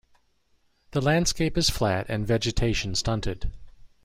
The landscape is flat and vegetation stunted.